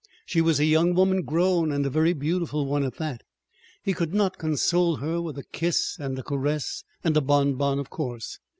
She was a young woman grown, and a very beautiful one, at that. He could not console her with a kiss and a caress, and a bonbon, of course.